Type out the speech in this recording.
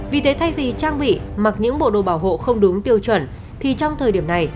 vì thế thay vì trang bị mặc những bộ đồ bảo hộ không đúng tiêu chuẩn thì trong thời điểm này